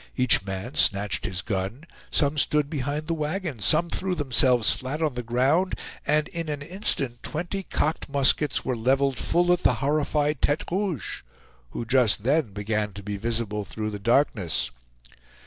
Each man snatched his gun; some stood behind the wagons; some threw themselves flat on the ground, and in an instant twenty cocked muskets were leveled full at the horrified Tete Rouge, who just then began to be visible through the darkness.